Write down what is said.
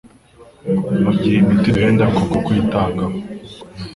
mu gihe imiti iduhenda, kubwo kuyitangaho